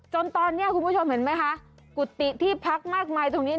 จนตอนนี้คุณผู้ชมเห็นไหมคะกุฏิที่พักมากมายตรงนี้